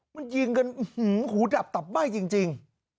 มันยิงกันหื้อหูดับตับใบจริง